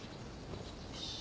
よし。